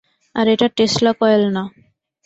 আর এটা Tesla coil না।